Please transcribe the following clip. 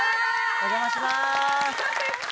お邪魔します。